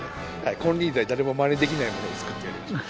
金輪際誰もまねできないものを作ってやりましょう。